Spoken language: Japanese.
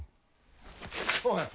おい！